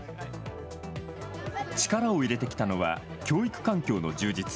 力を入れてきたのは教育環境の充実。